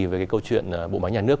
về câu chuyện bộ máy nhà nước